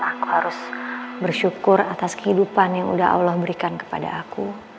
aku harus bersyukur atas kehidupan yang udah allah berikan kepada aku